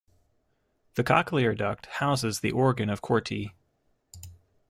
The cochlear duct houses the organ of Corti.